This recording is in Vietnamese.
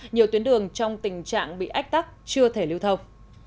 nhiều tuyến đường trong tình trạng bị ách tắc chưa thể lưu thông